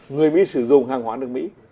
người mỹ sử dụng hàng hóa nước mỹ